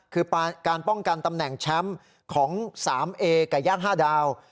คือการป้องกันตำแหน่งแชมป์ของ๓เอกับย่าง๕ดาว